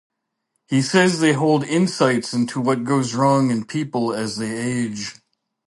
He says they hold insights into what goes wrong in people as they age.